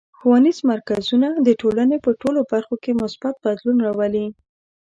ښوونیز مرکزونه د ټولنې په ټولو برخو کې مثبت بدلون راولي.